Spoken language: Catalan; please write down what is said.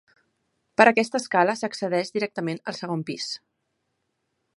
Per aquesta escala s'accedeix directament al segon pis.